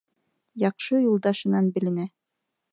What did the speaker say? Яҡшы юлдашынан беленә.